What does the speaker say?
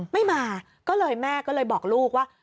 ไม่มาก็เลยแม่ก็เลยบอกลูกว่า